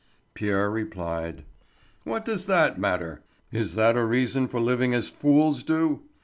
Pierre replied: "What does that matter? Is that a reason for living as fools do?